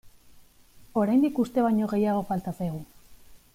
Oraindik uste baino gehiago falta zaigu.